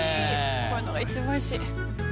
こういうのが一番美味しい。